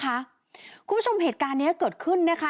คุณผู้ชมเหตุการณ์นี้เกิดขึ้นนะคะ